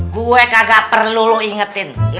gue kagak perlu lo ingetin